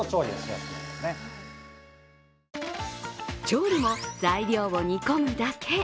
調理も材料を煮込むだけ。